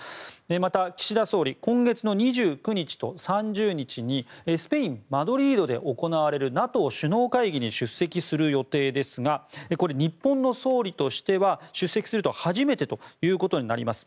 また、岸田総理今月の２９日と３０日にスペイン・マドリードで行われるＮＡＴＯ首脳会議に出席する予定ですがこれ、日本の総理としては出席すると初めてということになります。